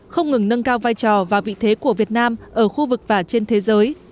không ngừng nâng cao vai trò và vị thế của việt nam ở khu vực và trên thế giới